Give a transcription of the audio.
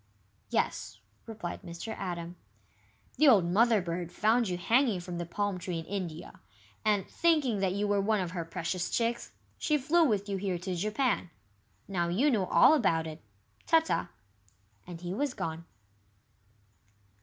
"Yes," replied Mr. Atom. "The old Mother bird found you hanging from the palm tree in India, and, thinking that you were one of her precious chicks, she flew with you here to Japan. Now you know all about it. Ta ta." And he was gone.